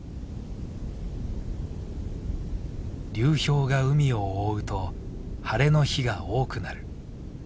流氷が海を覆うと晴れの日が多くなる。